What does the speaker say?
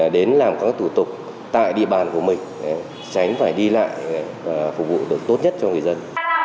đến làm các thủ tục tại địa bàn của mình tránh phải đi lại phục vụ được tốt nhất cho người dân